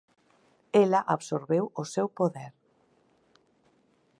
Ela absorbeu o seu poder.